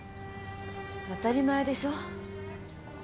当たり前でしょ。